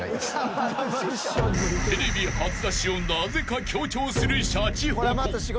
［テレビ初出しをなぜか強調するシャチホコ］